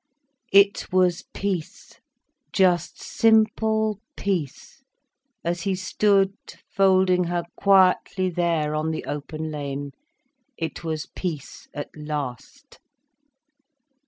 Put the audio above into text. It was peace, just simple peace, as he stood folding her quietly there on the open lane. It was peace at last.